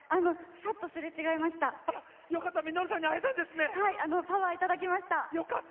サッとすれ違いました。